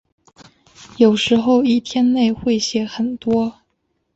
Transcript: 有时候一天内会写很多。